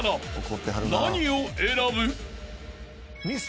［何を選ぶ？］